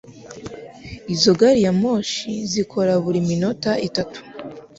Izo gari ya moshi zikora buri minota itatu